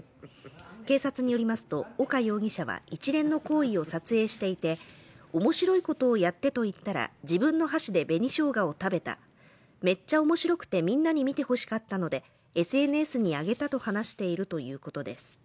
警察によりますと岡容疑者は一連の行為を撮影していて面白いことをやってと言ったら、自分の箸で紅しょうがを食べためっちゃ面白くてみんなに見て欲しかったのでＳＮＳにあげたと話しているということです。